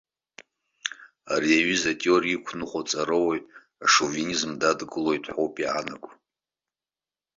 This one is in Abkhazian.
Ари аҩыза атеориа иқәныҟәо аҵарауаҩ, ашовинизм дадгылоит ҳәоуп иаанаго.